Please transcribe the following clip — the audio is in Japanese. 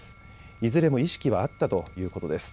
いずれも意識はあったということです。